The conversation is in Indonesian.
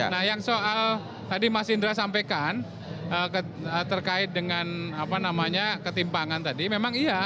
nah yang soal tadi mas indra sampaikan terkait dengan ketimpangan tadi memang iya